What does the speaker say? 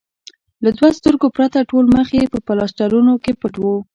له دوو سترګو پرته ټول مخ یې په پلاسټرونو کې پټ و.